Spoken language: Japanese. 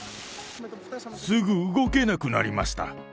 すぐ動けなくなりました。